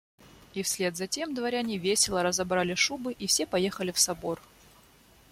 И вслед затем дворяне весело разобрали шубы, и все поехали в Собор.